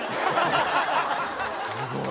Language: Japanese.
すごい。